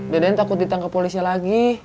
deden takut ditangkap polisi lagi